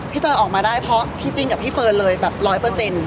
เตยออกมาได้เพราะพี่จิ้นกับพี่เฟิร์นเลยแบบร้อยเปอร์เซ็นต์